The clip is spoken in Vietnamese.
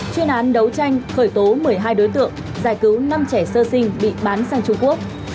chuyên án đấu tranh khởi tố một mươi hai đối tượng giải cứu năm trẻ sơ sinh bị bán sang trung quốc